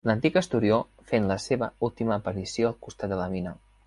L'antic Esturió fent la seva última aparició al costat de la mina.